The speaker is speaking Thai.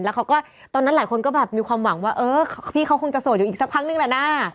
แล้วเขาก็ตอนนั้นหลายคนก็แบบมีความหวังว่าเออพี่เขาคงจะโสดอยู่อีกสักพักนึงแหละนะ